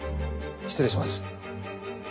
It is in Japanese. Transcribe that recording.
失礼します。